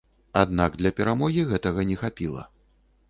Аднак для перамогі гэтага не хапіла.